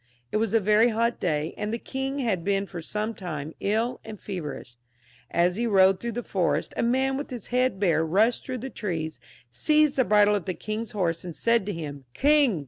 It was a very hot day, and the king had been for some time ill and feverish. As he rode through the forest a man with his head bare rushed through the trees, seized the bridle of the king's horse, and said to him, "King!